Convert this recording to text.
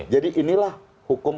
jadi inilah hukum